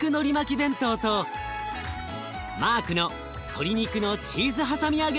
弁当とマークの鶏肉のチーズはさみ揚げ